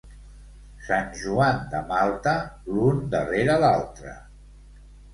Sant Joan de Malta, l'un darrere l'altre.